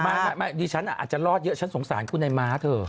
ดิฉันอาจจะรอดเยอะฉันสงสารคุณไอ้ม้าเธอ